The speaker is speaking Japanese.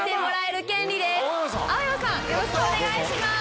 よろしくお願いします。